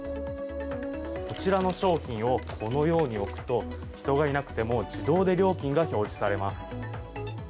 こちらの商品をこのように置くと人がいなくても自動で料金が表示されます。